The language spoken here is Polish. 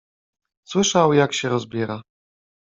Słyszał, jak się rozbiera.